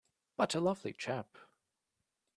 But a lovely chap!